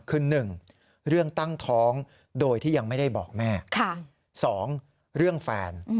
คือ๑เรื่องตั้งท้องโดยที่ยังไม่ได้บอกแม่๒เรื่องแฟน